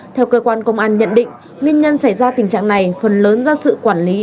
theo cơ quan công an nhận định nguyên nhân xảy ra tình trạng này phần lớn do sự quản lý